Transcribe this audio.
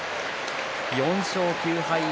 ４勝９敗。